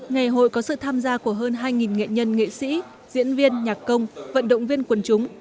ngày hội có sự tham gia của hơn hai nghệ nhân nghệ sĩ diễn viên nhạc công vận động viên quần chúng